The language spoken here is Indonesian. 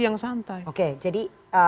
yang santai oke jadi